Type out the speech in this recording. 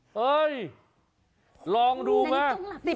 เฮ้ยลองดูมา